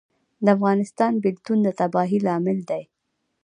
د افغانستان بیلتون د تباهۍ لامل دی